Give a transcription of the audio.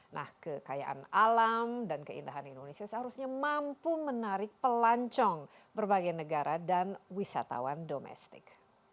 nah kekayaan alam dan keindahan indonesia seharusnya mampu menarik pelancong berbagai negara dan wisatawan domestik